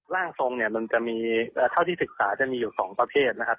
ร่างทรงเนี่ยมันจะมีเท่าที่ศึกษาจะมีอยู่๒ประเภทนะครับ